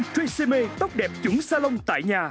treseme tóc đẹp chuẩn xa lông tại nhà